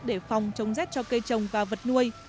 để phòng chống rét cho cây trồng và vật nuôi